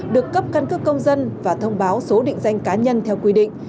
được cấp căn cước công dân và thông báo số định danh cá nhân theo quy định